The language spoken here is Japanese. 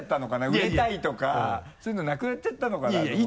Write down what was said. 「売れたい」とかそういうのなくなっちゃったのかなと思って。